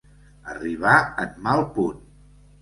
Arribar en mal punt.